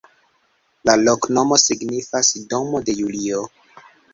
La loknomo signifas: domo de Julio.